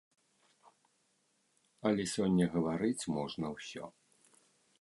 Але сёння гаварыць можна ўсё.